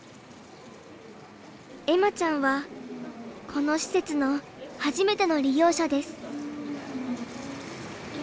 恵麻ちゃんはこの施設の初めての利用者です。